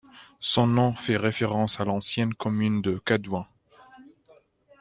Son nom fait référence à l'ancienne commune de Cadouin.